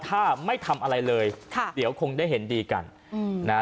ถ้าไม่ทำอะไรเลยค่ะเดี๋ยวคงได้เห็นดีกันอืมนะฮะ